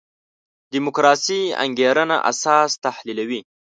دیموکراسي انګېرنه اساس تحلیلوي.